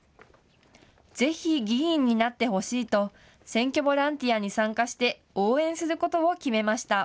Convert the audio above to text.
ぜひ議員になってほしいと選挙ボランティアに参加して応援することを決めました。